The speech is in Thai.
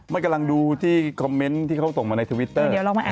กำลังดูที่คอมเมนต์ที่เขาส่งมาในทวิตเตอร์